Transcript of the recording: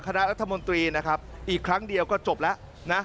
คณะรัฐมนตรีอีกครั้งเดียวก็จบแล้ว